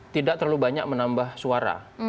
tidak terlalu banyak menambah suara